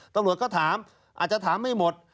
ตำรวจก็ถามอาจจะถามไม่หมด